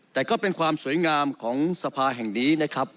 แต่ก็เป็นสวยงามของสภาแห่งนี้